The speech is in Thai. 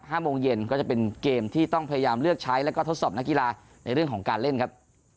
โมงเย็นก็จะเป็นเกมที่ต้องพยายามเลือกใช้แล้วก็ทดสอบนักกีฬาในเรื่องของการเล่นครับ